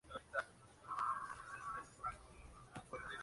Tiene los ojos color naranja o amarillo, grandes.